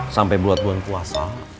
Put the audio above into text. sampai buat buang kuasa